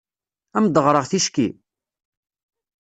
Ad am-d-ɣreɣ ticki?